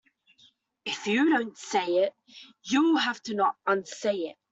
If you don't say it you will not have to unsay it.